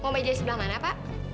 mau meja di sebelah mana pak